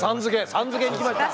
「さん」付け来ました。